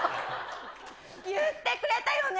言ってくれたよね。